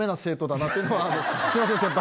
すいません先輩。